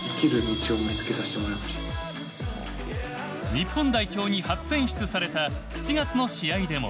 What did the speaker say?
日本代表に初選出された７月の試合でも。